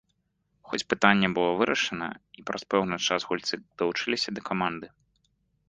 Хоць пытанне было вырашана, і праз пэўны час гульцы далучыліся да каманды.